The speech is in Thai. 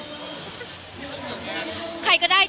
มีใครปิดปาก